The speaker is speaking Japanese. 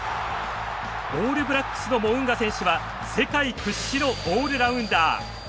オールブラックスのモウンガ選手は世界屈指のオールラウンダー。